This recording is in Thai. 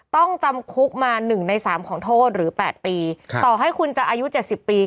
ต้องจำคุกมาหนึ่งในสามของโทษหรือแปดปีค่ะต่อให้คุณจะอายุเจ็ดสิบปี